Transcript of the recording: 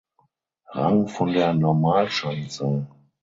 Rang von der Normalschanze.